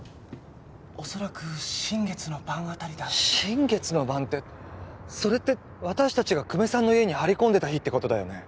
恐らく新月の晩あたりだと新月の晩ってそれって私達が久米さんの家に張り込んでた日ってことだよね